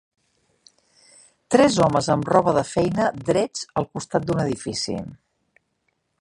Tres homes amb roba de feina drets al costat d'un edifici.